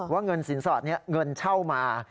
ว่าเงินสินสอดเงินเช่ามา